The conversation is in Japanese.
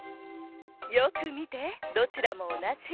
よくみてどちらもおなじ。